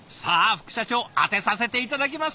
副社長当てさせて頂きます！